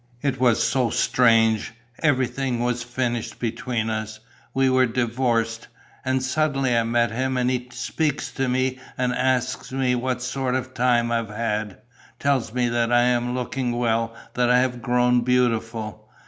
It was so strange. Everything was finished between us. We were divorced. And suddenly I meet him and he speaks to me and asks me what sort of time I have had, tells me that I am looking well, that I have grown beautiful.